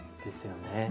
ですよね。